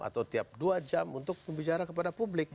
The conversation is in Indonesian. atau tiap dua jam untuk pembicara kepada publik